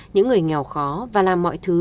những người nghèo khó và làm mọi thứ